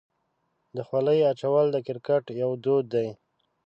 د خولۍ اچول د کرکټ یو دود دی.